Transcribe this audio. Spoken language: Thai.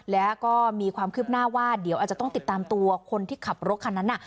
แล้วก็มีความคืบหน้าว่าเดี๋ยวอาจจะต้องติดตามตัวคนที่ขับรถคันนั้น